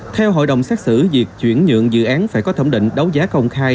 theo hội đồng xét xử việc chuyển nhượng dự án phải có thẩm định đấu giá công khai